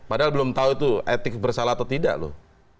padahal belum tahu itu etik bersalah atau tidak loh